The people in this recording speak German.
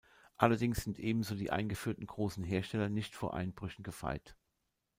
Allerdings sind ebenso die eingeführten großen Hersteller nicht vor Einbrüchen gefeit.